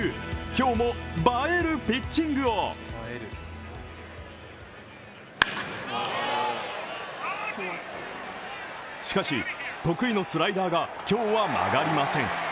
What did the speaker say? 今日も映えるピッチングをしかし、得意のスライダーが今日は曲がりません。